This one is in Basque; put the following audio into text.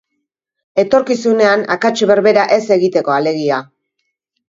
Etorkizunean akats berbera ez egiteko, alegia.